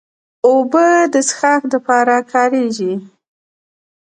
اوبه د څښاک لپاره کارېږي.